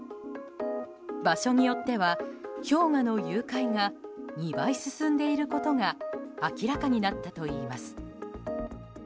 場所によっては、氷河の融解が２倍進んでいることが明らかになったといいます。